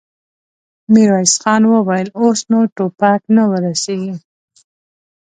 ميرويس خان وويل: اوس نو ټوپک نه ور رسېږي.